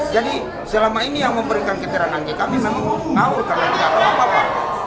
jadi selama ini yang memberikan ketiran anggih kami memang mengaur karena tidak tahu apa apa